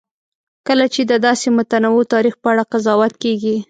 کله چې د داسې متنوع تاریخ په اړه قضاوت کېږي.